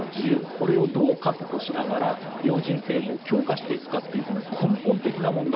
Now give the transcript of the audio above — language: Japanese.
これをどう確保しながら要人警護を強化していくかという根本的な問題